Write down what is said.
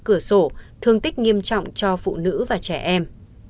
cửa sổ thương tích nghiêm trọng cho phụ nữ và trẻ em